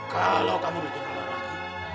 kalau kamu bikin onar lagi